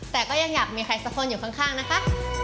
แต่ก็ยังอยากมีใครสักคนอยู่ข้างนะคะ